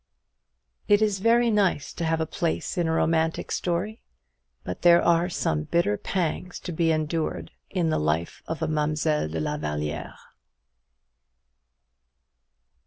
It is very nice to have a place in romantic story: but there are some bitter pangs to be endured in the life of a Mademoiselle de la Vallière.